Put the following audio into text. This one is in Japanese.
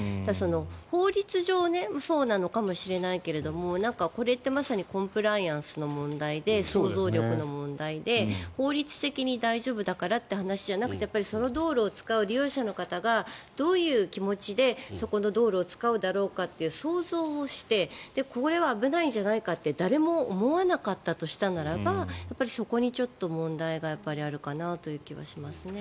法律上そうなのかもしれないけれどもこれってまさにコンプライアンスの問題で想像力の問題で法律的に大丈夫だからという話じゃなくてその道路を使う利用者の方がどういう気持ちでそこの道路を使うだろうかという想像をしてこれは危ないんじゃないかと誰も思わなかったんだとしたらそこにちょっと問題があるかなという気はしますね。